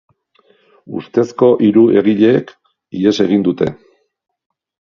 Ustezko hiru egileek ihes egin dute.